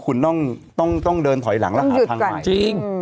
คุณต้องเดินถอยหลังและหาทางใหม่